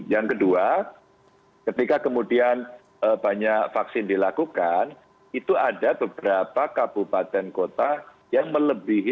yang kedua ketika kemudian banyak vaksin dilakukan itu ada beberapa kabupaten kota yang melebihi